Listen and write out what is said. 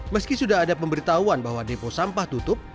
meski sudah ada pemberitahuan bahwa depo sampah tutup